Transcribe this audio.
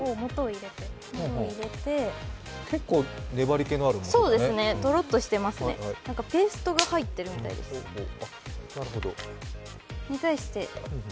結構、粘り気のあるものだねドロッとしてますね、ペーストが入ってるみたいです。に対して。